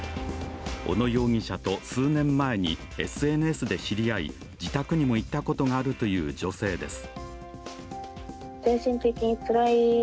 小野容疑者と数年前にＳＮＳで知り合い、自宅にも行ったことがあるという女性です。